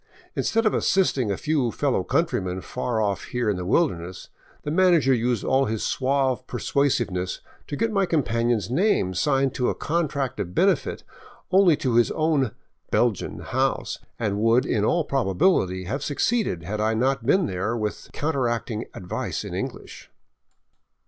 Instead of assisting a fellow countryman far off here in the wilderness, the manager used all his suave persuasiveness to get my companion's name signed to a contract of benefit only to his own " Belgian " house, and would in all probability have succeeded had I not been there with counteracting advice in English.